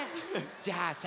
じゃあさ